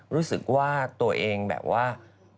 รู้สึกว่าตัวเองแบบว่า